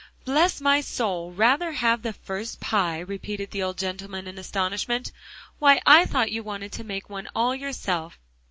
"Bless my soul! Rather have the first pie?" repeated the old gentleman in astonishment, "why, I thought you wanted to make one all yourself."